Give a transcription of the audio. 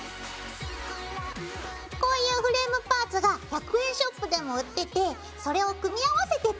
こういうフレームパーツが１００円ショップでも売っててそれを組み合わせて作れるんだよ。